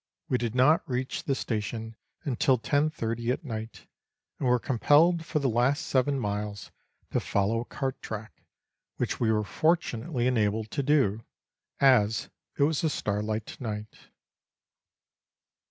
We did not reach the station until 10.30 at night, and were compelled for the last seven miles to follow a cart track, which we were fortunately enabled to do, as it was a starlight night.